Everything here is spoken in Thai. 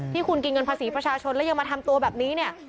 ที่คุณกินเงินภาษีประชาชนแล้วยังมาทำตัวแบบนี้เนี่ย